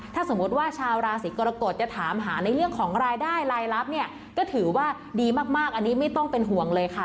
ถ้าสมมุติว่าชาวราศีกรกฎจะถามหาในเรื่องของรายได้รายลับเนี่ยก็ถือว่าดีมากอันนี้ไม่ต้องเป็นห่วงเลยค่ะ